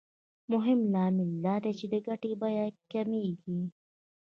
مهم لامل دا دی چې د ګټې بیه کمېږي